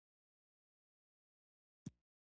مرغلرې او اوبسیدیان ډبرې په تجارت کې کارول کېدې